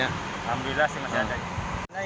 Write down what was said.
alhamdulillah sih masih ada